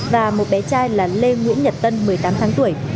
và một bé trai là lê nguyễn nhật tân một mươi tám tháng tuổi